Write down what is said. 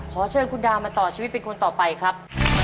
ขอเชิญคุณดาวมาต่อชีวิตเป็นคนต่อไปครับ